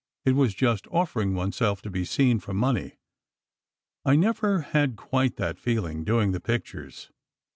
It was just offering oneself to be seen, for money. I never had quite that feeling, doing the pictures.